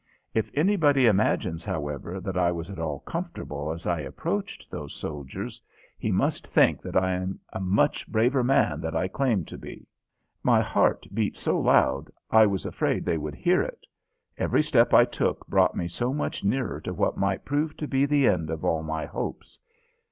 If anybody imagines, however, that I was at all comfortable as I approached those soldiers, he must think that I am a much braver man than I claim to be. My heart beat so loud I was afraid they would hear it. Every step I took brought me so much nearer to what might prove to be the end of all my hopes.